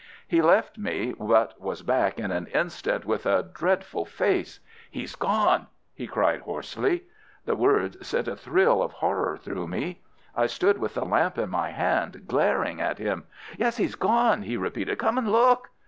He left me, but was back in an instant with a dreadful face. "He's gone!" he cried hoarsely. The words sent a thrill of horror through me. I stood with the lamp in my hand, glaring at him. "Yes, he's gone!" he repeated. "Come and look!"